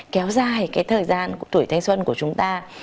kéo dài cái thời gian của tuổi thanh xuân của chúng ta